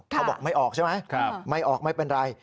เขาบอกไม่ออกใช่ไหมไม่ออกไม่เป็นไร